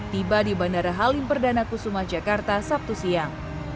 tiba di bandara halim perdana kusuma jakarta sabtu siang